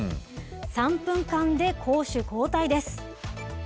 ３分間で攻守交代です。